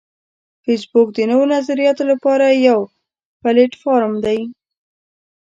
فېسبوک د نوو نظریاتو لپاره یو پلیټ فارم دی